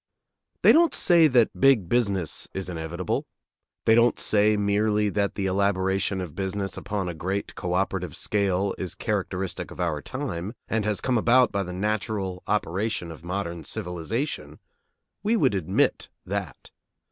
They don't say that big business is inevitable. They don't say merely that the elaboration of business upon a great co operative scale is characteristic of our time and has come about by the natural operation of modern civilization. We would admit that.